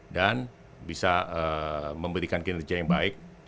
dan bisa memberikan kinerja yang baik